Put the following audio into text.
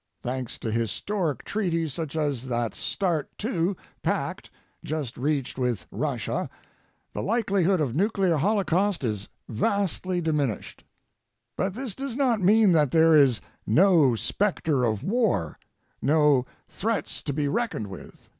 Thanks to historic treaties such as that START II pact just reached with Russia, the likelihood of nuclear holocaust is vastly diminished. But this does not mean that there is no specter of war, no threats to be reckoned with.